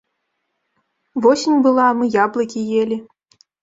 Восень была, мы яблыкі елі.